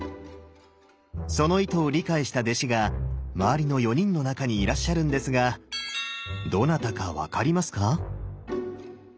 その意図を理解した弟子が周りの４人の中にいらっしゃるんですがどなたか分かりますか？